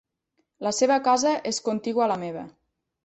La seva casa és contigua a la meva.